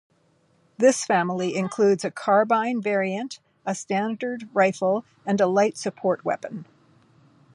This family includes a carbine variant, a standard rifle, and a light support weapon.